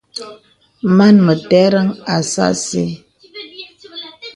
Mān mə tə̀rən asà asə́.